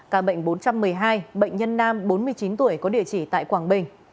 ca bệnh bốn trăm một mươi hai bệnh nhân nam bốn mươi chín tuổi có địa chỉ tại quảng bình